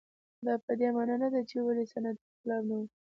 دا په دې معنا نه ده چې ولې صنعتي انقلاب نه و.